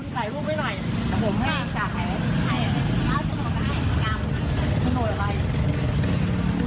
สวัสดีครับนี่